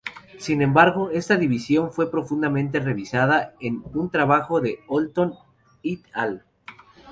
Sin embargo esta división fue profundamente revisada en un trabajo de Holton "et al.